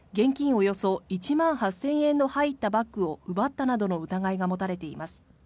およそ１万８０００円の入ったバッグを奪ったなどの疑いが持たれています。